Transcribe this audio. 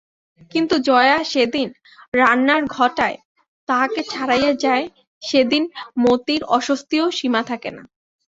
কিন্তু জয়া সেদিন রান্নার ঘটায় তাহাকে ছাড়াইয়া যায় সেদিন মতির অস্বস্তিও সীমা থাকে না।